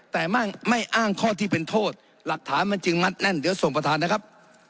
แต่ไม่อ้างข้อที่เป็นโทษหลักฐานมันจึงมัดแน่นเดี๋ยวส่งประธานนะครับ